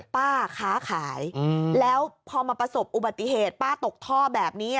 ป้าค้าขายแล้วพอมาประสบอุบัติเหตุป้าตกท่อแบบนี้